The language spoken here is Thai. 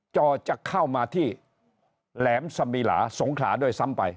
จอจะเข้ามาที่แหลมสมิลาสงขลาด้วยซ้ำไป